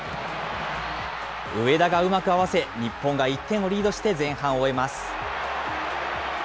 上田がうまく合わせ、日本が１点をリードして前半を終えます。